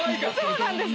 そうなんです。